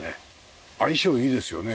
相性いいですよね。